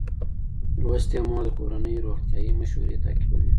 لوستې مور د کورنۍ روغتيايي مشورې تعقيبوي.